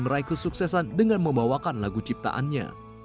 meraih kesuksesan dengan membawakan lagu ciptaannya